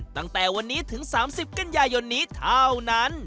ตั้งแต่วันนี้ถึง๓๐กันยายนนี้เท่านั้น